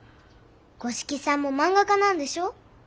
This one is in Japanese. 五色さんも漫画家なんでしょう？